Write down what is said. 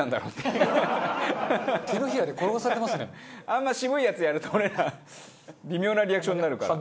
あんまり渋いやつやると俺ら微妙なリアクションになるから。